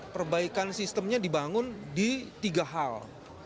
perbaikan sistemnya dibangun di tiga hal